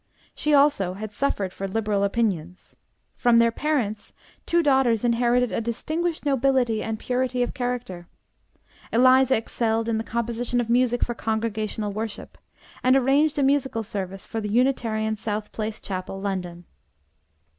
She also had suffered for liberal opinions. From their parents two daughters inherited a distinguished nobility and purity of character. Eliza excelled in the composition of music for congregational worship, and arranged a musical service for the Unitarian South Place Chapel, London.